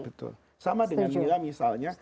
betul sama dengan misalnya